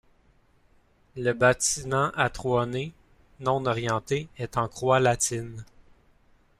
Le bâtiment à trois nefs, non orienté, est en croix latine.